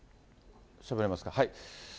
しゃべれますか？